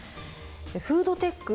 フードテック